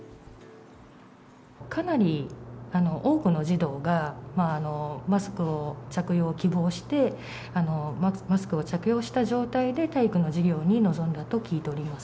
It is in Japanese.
かなり多くの児童が、マスクの着用を希望して、マスクを着用した状態で体育の授業に臨んだと聞いております。